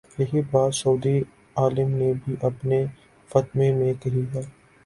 یہی بات سعودی عالم نے بھی اپنے فتوے میں کہی ہے۔